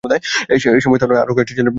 এ সময়ে তাঁর আরো কয়েকটি ছেলে-মেয়ের জন্ম হয়।